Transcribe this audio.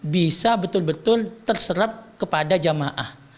bisa betul betul terserap kepada jamaah